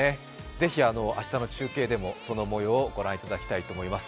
ぜひ明日の中継でもそのもようをご覧いただきたいと思います。